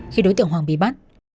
khi đối tượng hoàng bị bắt